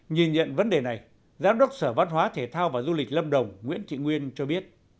nhìn nhận vấn đề này giám đốc sở văn hóa thể thao và du lịch lâm đồng nguyễn thị nguyên cho biết